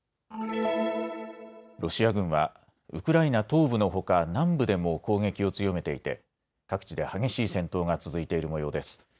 ロシア軍はウクライナ東部のほか南部でも攻撃を強めていて各地で激しい戦闘が続いているもようです。